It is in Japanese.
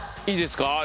いいですか？